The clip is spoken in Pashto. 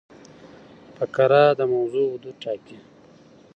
فقره د موضوع حدود ټاکي.